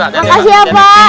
makasih ya pak